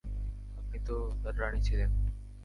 আপনি তো তাঁর রানী ছিলেন।